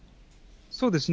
そうですね。